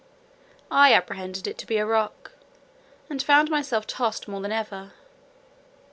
I apprehended it to be a rock, and found myself tossed more than ever.